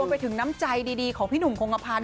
รวมไปถึงน้ำใจดีของพี่หนุ่มโครงอภัณฑ์